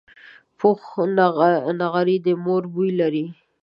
پوخ نغری د مور بوی لري